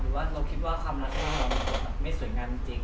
หรือว่าเราคิดว่าความรักของเราไม่สวยงามจริง